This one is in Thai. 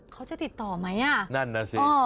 เขาจะติดต่อไหมอ่ะนั่นน่ะสิ